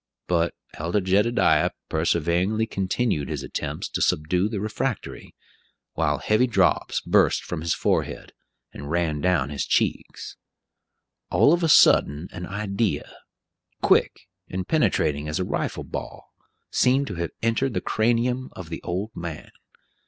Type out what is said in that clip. But Elder Jed'diah perseveringly continued his attempts to subdue the refractory, while heavy drops burst from his forehead, and ran down his cheeks. All of a sudden an idea, quick and penetrating as a rifle ball, seemed to have entered the cranium of the old man.